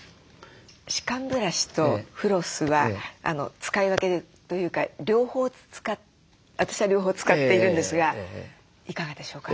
歯間ブラシとフロスは使い分けというか私は両方使っているんですがいかがでしょうか？